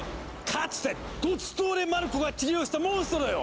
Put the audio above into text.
かつてドツトーレ・マルコが治療したモンストロよ！